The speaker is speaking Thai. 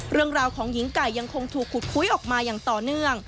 เรื่องราวของหญิงไก่ยังคงถูกขุดคุยออกมาอย่างต่อเนื่อง